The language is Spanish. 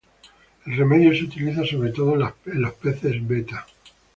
El remedio se utiliza sobre todo en los peces "Betta".